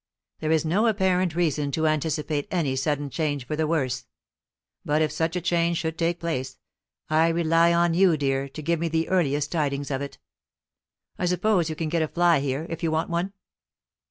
There is no apparent reason to anticipate any sudden change for the worse; but if such a change should take place, I rely on you, dear, to give me the earliest tidings of it. I suppose you can get a fly here, if you want one?"